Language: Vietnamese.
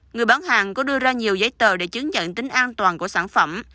người bán hàng có đưa ra nhiều giấy tờ để chứng nhận tính an toàn của sản phẩm